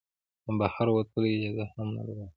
د بهر وتلو اجازه هم نه درلوده.